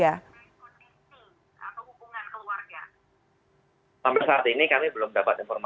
sampai saat ini kami belum dapat informasi lebih lanjut terkait info info dari luar terkait adanya permasalahan keluarga tersebut dari luarnya